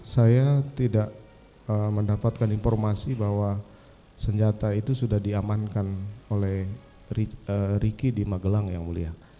saya tidak mendapatkan informasi bahwa senjata itu sudah diamankan oleh riki di magelang yang mulia